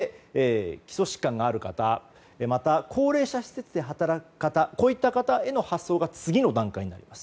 そして、基礎疾患がある方また高齢者施設で働く方こういった方への発送が次の段階になります。